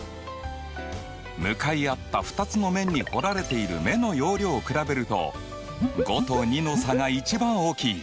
向かい合った２つの面に掘られている目の容量を比べると５と２の差が一番大きい。